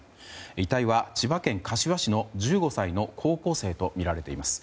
遺体は千葉県柏市の１５歳の高校生とみられています。